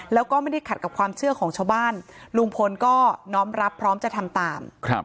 แล้วก็ไม่ได้ขัดกับความเชื่อของชาวบ้านลุงพลก็น้อมรับพร้อมจะทำตาม